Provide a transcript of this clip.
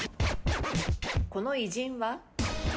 この偉人は？